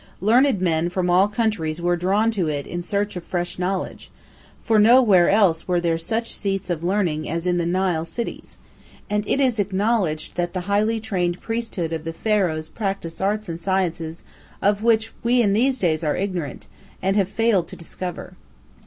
Learned men from all countries were drawn to it in search of fresh knowledge, for nowhere else were there such seats of learning as in the Nile cities, and it is acknowledged that the highly trained priesthood of the Pharaohs practised arts and sciences of which we in these days are ignorant, and have failed to discover.